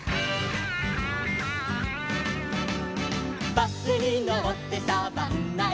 「バスにのってサバンナへ」